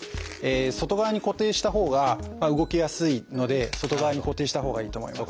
外側に固定したほうが動きやすいので外側に固定したほうがいいと思います。